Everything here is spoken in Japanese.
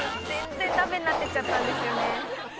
全然ダメになってっちゃったんですよね。